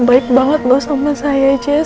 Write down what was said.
baik banget loh sama saya jazz